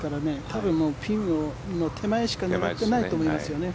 多分、ピンの手前しか狙っていないと思いますよね。